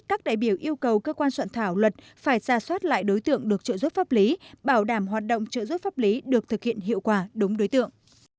các đại biểu yêu cầu cơ quan soạn thảo luật phải ra soát lại đối tượng được trợ giúp pháp lý bảo đảm hoạt động trợ giúp pháp lý được thực hiện hiệu quả đúng đối tượng